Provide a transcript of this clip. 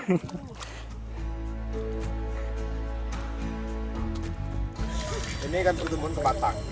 ini kan pertumbuhan tempat tang